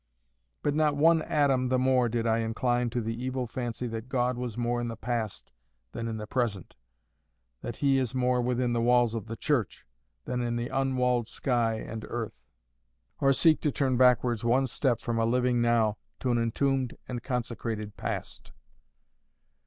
But not one atom the more did I incline to the evil fancy that God was more in the past than in the present; that He is more within the walls of the church, than in the unwalled sky and earth; or seek to turn backwards one step from a living Now to an entombed and consecrated Past.